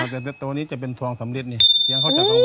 แต่ตัวนี้จะเป็นทองสำริดนี่